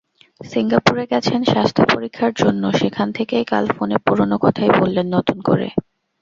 সিঙ্গাপুরে গেছেন স্বাস্থ্যপরীক্ষার জন্য, সেখান থেকেই কাল ফোনে পুরোনো কথাই বললেন নতুন করে।